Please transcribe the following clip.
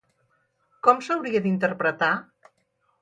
Com s’hauria d’interpretar?